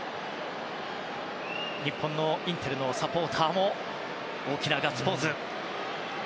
日本のインテルのサポーターも大きなガッツポーズ。